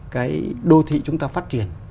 cái đô thị chúng ta phát triển